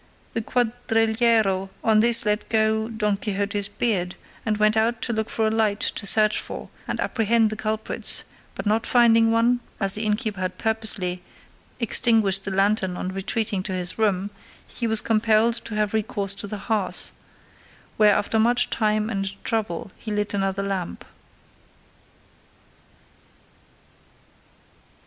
The cuadrillero on this let go Don Quixote's beard, and went out to look for a light to search for and apprehend the culprits; but not finding one, as the innkeeper had purposely extinguished the lantern on retreating to his room, he was compelled to have recourse to the hearth, where after much time and trouble he lit another lamp.